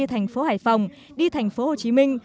thành phố hải phòng đi thành phố hồ chí minh